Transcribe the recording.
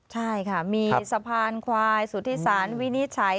ใช่ค่ะมีสะพานควายสุธิศาลวินิจฉัย